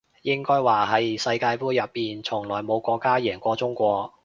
應該話係世界盃入面從來冇國家贏過中國